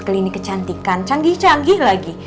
klinik kecantikan canggih canggih lagi